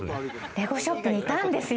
レゴショップにいたんですよ。